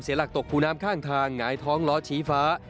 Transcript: หลักตกคูน้ำข้างทางหงายท้องล้อชี้ฟ้า